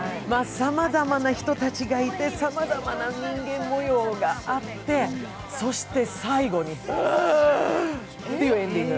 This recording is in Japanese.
さまざまな人たちがいて、さまざまな人間模様があって、そして最後にうわ！っていうエンディング。